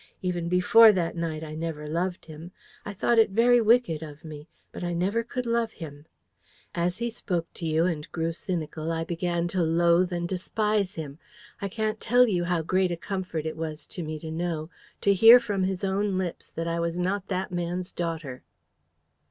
Even before that night, I never loved him. I thought it very wicked of me, but I never could love him. As he spoke to you and grew cynical, I began to loathe and despise him. I can't tell you how great a comfort it was to me to know to hear from his own lips I was not that man's daughter.